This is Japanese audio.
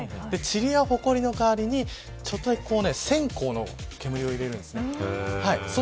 チリやホコリの代わりにちょっとだけ線香の煙を入れるんです。